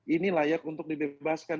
ini layak untuk dibebaskan